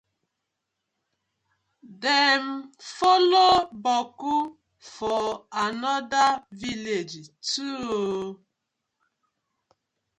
Dem follow boku for another villag too oo.